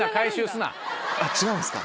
違うんすか？